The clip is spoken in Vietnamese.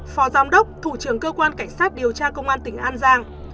phó giám đốc thủ trưởng cơ quan cảnh sát điều tra công an tỉnh an giang